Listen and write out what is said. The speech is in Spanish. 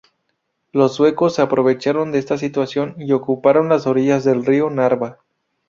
Los suecos se aprovecharon de esta situación y ocuparon las orillas del río Narva.